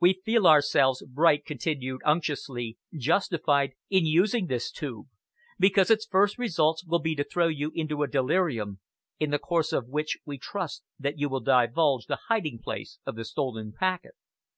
"We feel ourselves," Bright continued unctuously, "justified in using this tube, because its first results will be to throw you into a delirium, in the course of which we trust that you will divulge the hiding place of the stolen packet.